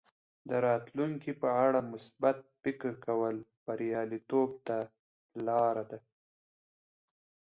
د راتلونکي په اړه مثبت فکر کول بریالیتوب ته لاره ده.